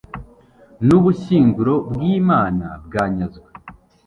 n'ubushyinguro bw'imana bwanyazwe